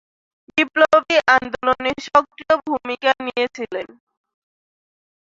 বিপ্লবী আন্দোলনে সক্রিয় ভূমিকা নিয়েছিলেন।